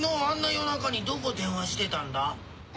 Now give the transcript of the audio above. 夜中にどこ電話してたんだ？